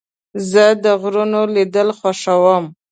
زه د غرونو لیدل خوښوم.